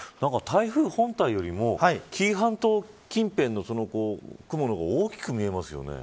台風本体よりも紀伊半島近辺の雲の方が大きく見えますよね。